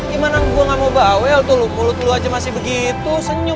gimana gue gak mau bawel tuh mulut mulu aja masih begitu senyum